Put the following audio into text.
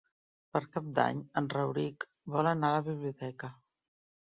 Per Cap d'Any en Rauric vol anar a la biblioteca.